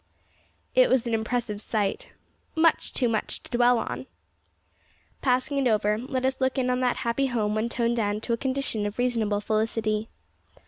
It was an impressive sight. Much too much so to dwell on! Passing it over, let us look in on that happy home when toned down to a condition of reasonable felicity.